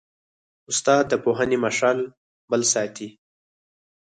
استاد د پوهنې مشعل بل ساتي.